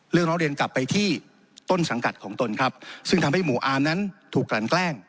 ร้องเรียนกลับไปที่ต้นสังกัดของตนครับซึ่งทำให้หมู่อาร์มนั้นถูกกลั่นแกล้ง